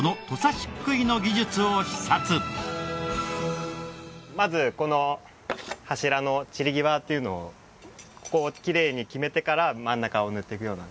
そのまずこの柱のちり際っていうのをここをきれいに決めてから真ん中を塗っていくような。